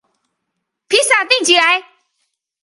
披薩訂起來